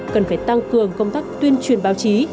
cần phải tăng cường công tác tuyên truyền báo chí